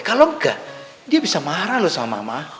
kalau enggak dia bisa marah loh sama mama